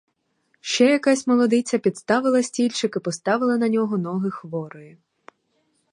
Ще якась молодиця підставила стільчик і поставила на нього ноги хворої.